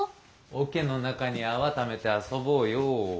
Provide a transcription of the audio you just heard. おけの中に泡ためて遊ぼうよ。